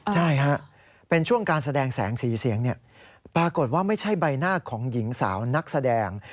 ใช่ฮะเป็นช่วงการแสดงแสงสีเสียงปรากฏว่าไม่ใช่ใบหน้าของหญิงสาวนักแสดง